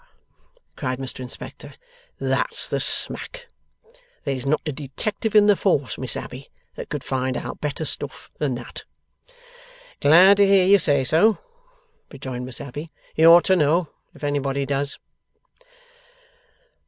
cried Mr Inspector. 'That's the smack! There's not a Detective in the Force, Miss Abbey, that could find out better stuff than that.' 'Glad to hear you say so,' rejoined Miss Abbey. 'You ought to know, if anybody does.